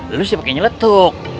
lalu siapa yang nyeletuk